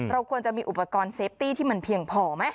ควรจะมีอุปกรณ์เซฟตี้ที่มันเพียงพอไหม